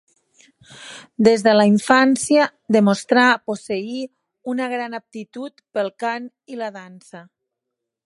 Des de la infància demostrà posseir una gran aptitud pel cant i la dansa.